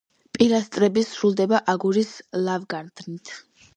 პილასტრები სრულდება აგურის ლავგარდნით.